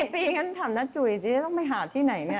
ปี๊ทำหน้าจุ๋ยสิจะต้องไปหาที่ไหนเนี่ย